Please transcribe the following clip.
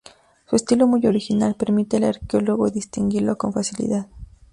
Su estilo muy original, permite al arqueólogo distinguirlo con facilidad.